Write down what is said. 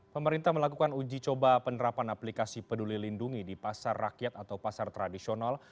pemerintah melakukan uji coba penerapan aplikasi peduli lindungi di pasar rakyat atau pasar tradisional